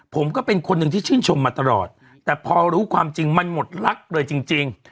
ผมก็เป็นคนหนึ่งที่ชื่นชมมาตลอดแต่พอรู้ความจริงมันหมดลักษณ์เลยจริง